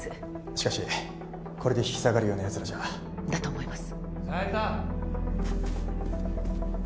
しかしこれで引き下がるようなやつらじゃだと思います